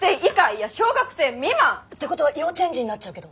いや小学生未満！ってことは幼稚園児になっちゃうけど。